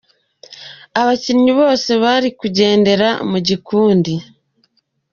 : Abakinnyi bose bari kugendera mu gikundi.